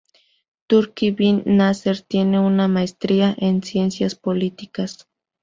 Turki bin Nasser tiene una maestría en ciencias políticas.